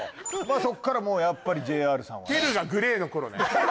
そこからもうやっぱりＪＲさんはね